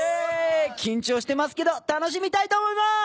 緊張してますけど楽しみたいと思います！